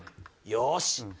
よし！